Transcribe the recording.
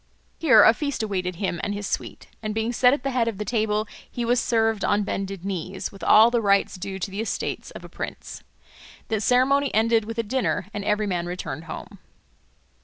Here a feast awaited him and his suite, and being set at the head of the table he was served on bended knees, with all the rites due to the estate of a prince. The ceremony ended with the dinner, and every man returned home.